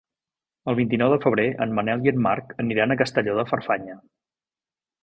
El vint-i-nou de febrer en Manel i en Marc aniran a Castelló de Farfanya.